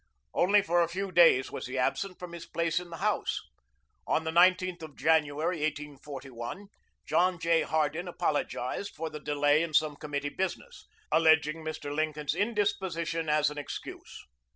Only for a few days was he absent from his place in the House. On the 19th of January, 1841, John J. Hardin apologized for the delay in some committee business, alleging Mr. Lincoln's indisposition as an excuse.